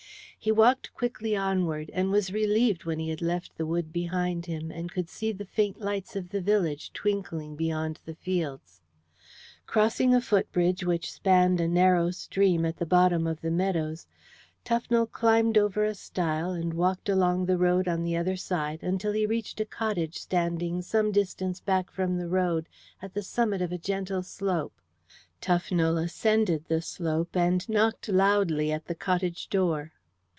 He walked quickly onward, and was relieved when he had left the wood behind him, and could see the faint lights of the village twinkling beyond the fields. Crossing a footbridge which spanned a narrow stream at the bottom of the meadows, Tufnell climbed over a stile, and walked along the road on the other side until he reached a cottage standing some distance back from the road at the summit of a gentle slope. Tufnell ascended the slope and knocked loudly at the cottage door.